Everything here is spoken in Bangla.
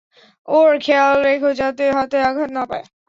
ওর খেয়াল রেখো যাতে হাতে আঘাত না পায়।